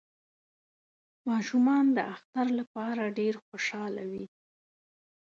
ماشومان د اختر لپاره ډیر خوشحاله وی